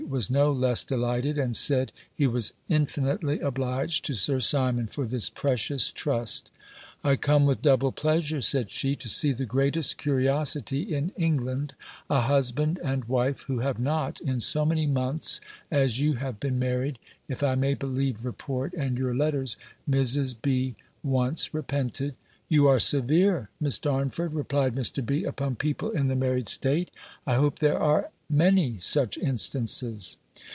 was no less delighted, and said, he was infinitely obliged to Sir Simon for this precious trust. "I come with double pleasure," said she, "to see the greatest curiosity in England, a husband and wife, who have not, in so many months as you have been married, if I may believe report, and your letters, Mrs. B., once repented." "You are severe, Miss Darnford," replied Mr. B., "upon people in the married state: I hope there are many such instances."